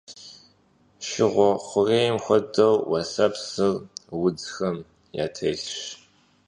Şığe xhurêym xuedeu, vuesepsır vudzxem yatêlhş.